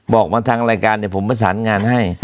บอกมาทางรายการเดี๋ยวผมประสานงานให้